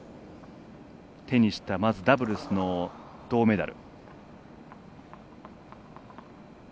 手にしたダブルスの銅メダル。